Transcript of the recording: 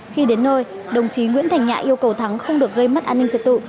khi đến nơi đồng chí nguyễn thành nhạ yêu cầu thắng không được gây mất an ninh trật tự